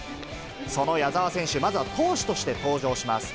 その矢澤選手、まずは投手として登場します。